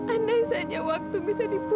andai saja waktu bisa diperole